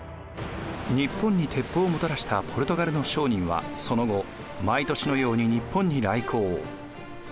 日本に鉄砲をもたらしたポルトガルの商人はその後毎年のように日本に来航。